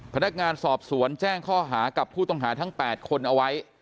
พนักงานสอบสวนแจ้งข้อหากับผู้ต้องหาทั้ง๘คนเอาไว้